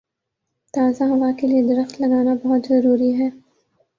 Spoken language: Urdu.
تازہ ہوا کے لیے درخت لگانا بہت ضروری ہے